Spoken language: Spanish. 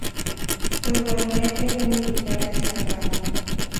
Fue igualmente un militar destacado.